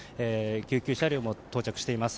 救急車両も到着しています。